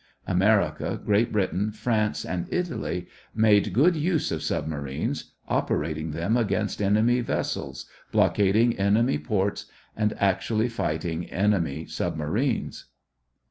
America, Great Britain, France, and Italy made good use of submarines, operating them against enemy vessels, blockading enemy ports, and actually fighting enemy submarines.